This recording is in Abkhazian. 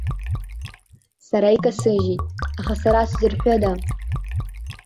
Сара икасыжьит, аха сара сзырҳәыда?